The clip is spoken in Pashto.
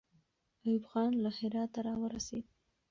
ایوب خان له هراته راورسېد.